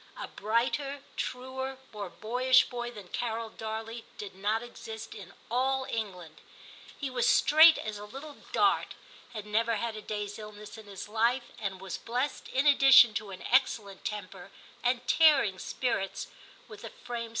A brighter, truer, more boyish boy than Carol Darley did not exist in all England ; he was straight as a little dart, had never had a day's illness in his life, and was blessed, in addition to an excellent temper and tearing spirits, with a frame c 1 8 TIM CHAP.